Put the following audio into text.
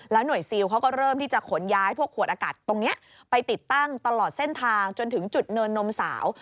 หน่วยซิลเขาก็เริ่มที่จะขนย้ายพวกขวดอากาศตรงนี้ไปติดตั้งตลอดเส้นทางจนถึงจุดเนินนมสาว